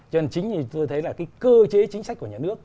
cho nên tôi thấy là cái cơ chế chính sách của nhà nước